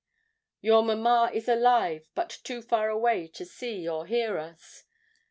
'Your mamma is alive but too far away to see or hear us.